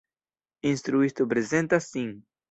Instruisto prezentas sin.